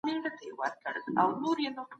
د کلتوري فهم له لارې اړیکې قوي کیدای سي.